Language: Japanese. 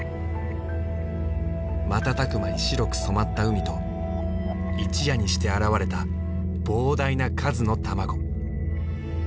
瞬く間に白く染まった海と一夜にして現れた膨大な数の卵。